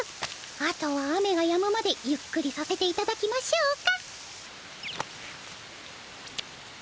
あとは雨がやむまでゆっくりさせていただきましょうか。